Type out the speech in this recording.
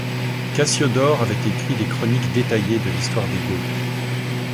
Cassiodore avait écrit des chroniques détaillées de l'Histoire des Goths.